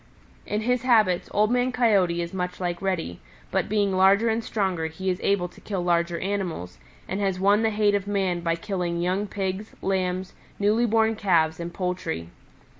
"In his habits, Old Man Coyote is much like Reddy, but being larger and stronger he is able to kill larger animals, and has won the hate of man by killing young Pigs, Lambs, newly born Calves and poultry.